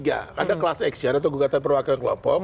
ada class action atau gugatan perwakilan kelompok